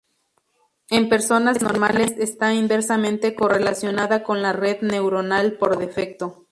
En personas normales, está inversamente correlacionada con la Red neuronal por defecto.